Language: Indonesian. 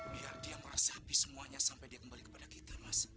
biar dia merasapi semuanya sampai dia kembali kepada kita mas